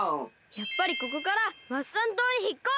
やっぱりここからワッサン島にひっこす！